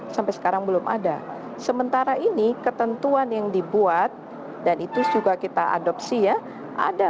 sampai sekarang belum ada sementara ini ketentuan yang dibuat dan itu juga kita adopsi ya ada